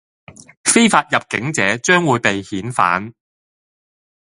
非法入境者將會被遣返